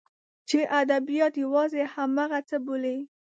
چې ادبیات یوازې همغه څه بولي.